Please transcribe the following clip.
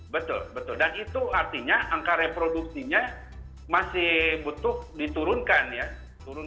betul betul dan itu artinya angka reproduksinya masih butuh diturunkan ya turun